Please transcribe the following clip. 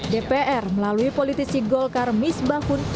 dpr melalui politisi golkar mis bangkun